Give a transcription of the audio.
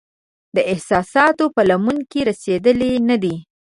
د احساساتو په لمن کې رسیدلې نه دی